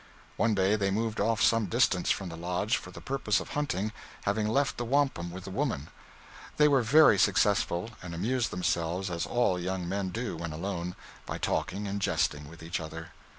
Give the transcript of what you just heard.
One day they moved off some distance from the lodge for the purpose of hunting, having left the wampum with the woman. They were very successful, and amused themselves, as all young men do when alone, by talking and jesting with each other.